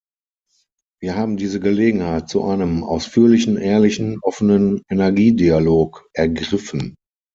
Wir haben diese Gelegenheit zu einem ausführlichen, ehrlichen, offenen Energiedialog ergriffen.